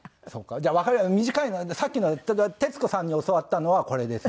じゃあ短いのさっきの徹子さんに教わったのはこれですね。